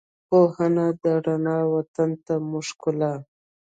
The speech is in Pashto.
پوهنه ده رڼا، وطن ته مو ښکلا